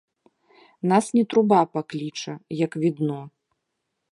Нас не труба пакліча, як відно.